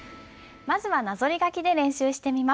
まずはなぞり書きで練習してみます。